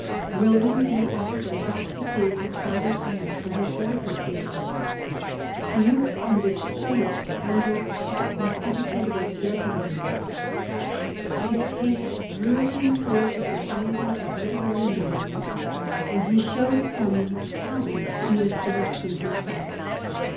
Wil liam B. Astor thus became his father's heir from his boyhood days. The youth on which so much depended, was educated at Gottingen. His tastes drew him to ward the society of literary men, and he showed some 249 V The Original John Jacob Astor talent in this direction himself.